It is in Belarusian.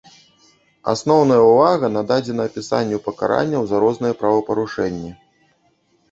Асноўная ўвага нададзена апісанню пакаранняў за розныя правапарушэнні.